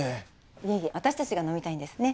いえいえ私たちが飲みたいんですねっ？